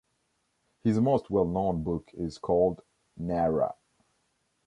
His most well-known book is called "Nara".